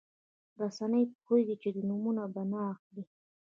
رسنۍ پوهېږي چې د نومونه به نه اخلي.